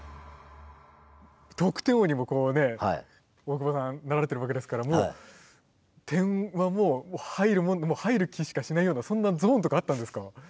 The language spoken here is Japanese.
得点王にもこうね大久保さんなられているわけですから点はもう入る気しかしないようなそんなゾーンとかあったんですか？